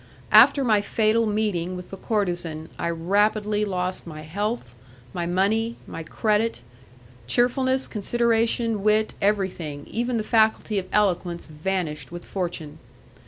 After my fatal meeting with the courtezan I rapidly lost my health, my money, my credit; cheerfulness, consideration, wit, everything, even the faculty of eloquence vanished with fortune.